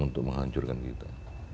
untuk menghancurkan kita